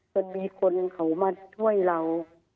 จนมีคนเขามาช่วยเรา